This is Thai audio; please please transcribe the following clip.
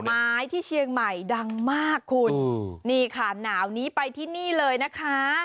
ไม้ที่เชียงใหม่ดังมากคุณนี่ค่ะหนาวนี้ไปที่นี่เลยนะคะ